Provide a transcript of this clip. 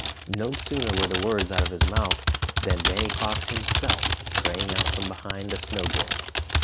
No sooner were the words out of his mouth than Danny Fox himself sprang out from behind a snowdrift.